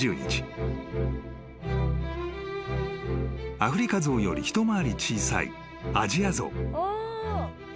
［アフリカゾウより一回り小さいアジアゾウ雄